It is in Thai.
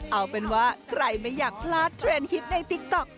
เอาเป็นว่าใครไม่อยากพลาดเทรนด์ฮิตในติ๊กต๊อก